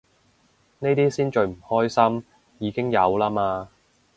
呢啲先最唔關心，已經有啦嘛